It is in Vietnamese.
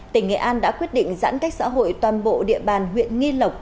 tỉnh nghệ an đã quyết định giãn cách xã hội toàn bộ địa bàn huyện nghi lộc